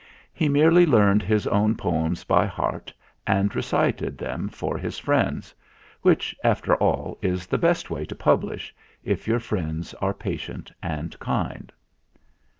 He merely learned his own poems by heart and recited them for his friends; which, after all, is the best way to publish, if your friends are patient and kind.